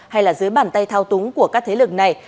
hay là dưới bàn tay thao túng của các thế lực này